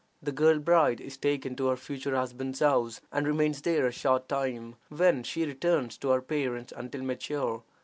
The girl bride is taken to her future husband's house, and remains there a short time, when she returns to her parents until mature.